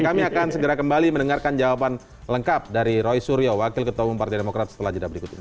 kami akan segera kembali mendengarkan jawaban lengkap dari roy suryo wakil ketua umum partai demokrat setelah jeda berikut ini